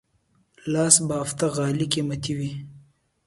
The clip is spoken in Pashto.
لاس بافته غالۍ قیمتي وي.